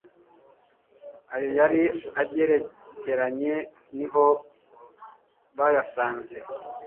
aho yari agerekeranye niho bayasanze